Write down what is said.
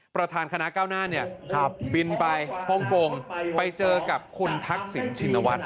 ประธานคณะเก้าหน้าเนี่ยบินไปพงไปเจอกับคุณทักศิลป์ชิงนวัล